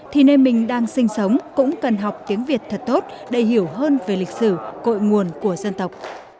thì nên mình đang sinh sống cũng cần học tiếng việt thật tốt để hiểu hơn về lịch sử cội nguồn của dân tộc